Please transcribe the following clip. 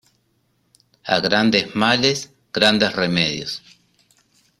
A grandes males, grandes remedios.